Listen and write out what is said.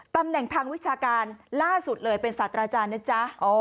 ตำแหน่งทางวิชาการล่าสุดเลยเป็นศาสตราจารย์นะจ๊ะ